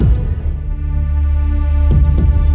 เป็นอินโทรเพลงที่๔มูลค่า๖๐๐๐๐บาท